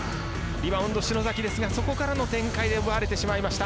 リバウンド篠崎ですがそこからの展開で奪われてしまいました。